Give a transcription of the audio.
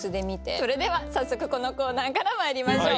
それでは早速このコーナーからまいりましょう。